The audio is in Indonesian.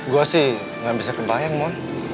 gue sih gak bisa kebayang moon